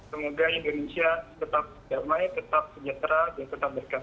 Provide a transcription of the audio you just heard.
semoga indonesia tetap damai tetap sejahtera dan tetap berkat